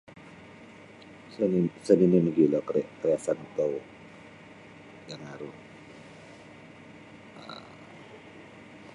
Sa nini' sa' nini' mogilo kar kariasan atau yang aru um.